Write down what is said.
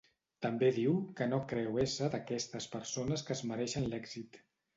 També diu que no creu ésser d'aquestes persones que es mereixen l'èxit.